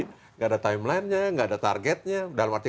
tidak ada timelinenya tidak ada targetnya dalam arti